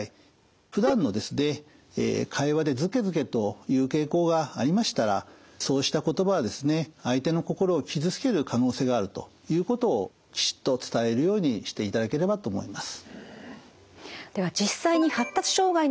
ふだんの会話でずけずけと言う傾向がありましたらそうした言葉はですね相手の心を傷つける可能性があるということをきちっと伝えるようにしていただければと思います。